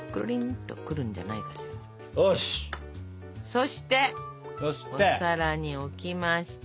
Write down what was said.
そしてお皿に置きまして。